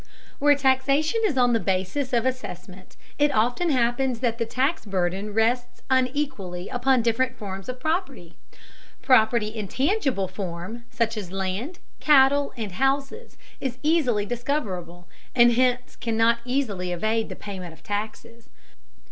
Where taxation is on the basis of assessment, it often happens that the tax burden rests unequally upon different forms of property. Property in tangible form, such as land, cattle, and houses, is easily discoverable, and hence cannot easily evade the payment of taxes.